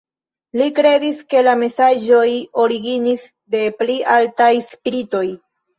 Li kredis, ke la mesaĝoj originis de pli altaj spiritoj.